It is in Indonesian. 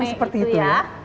satu seperti itu ya